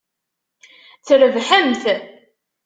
Trebḥemt.